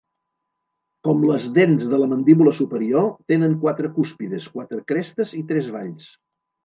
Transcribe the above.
Com les dents de la mandíbula superior, tenen quatre cúspides, quatre crestes i tres valls.